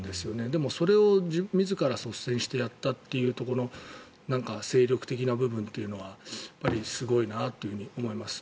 でも、それを自ら率先してやったというところ精力的な部分というのはすごいなというふうに思います。